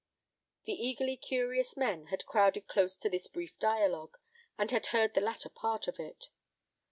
The eagerly curious men had crowded close to this brief dialogue, and had heard the latter part of it.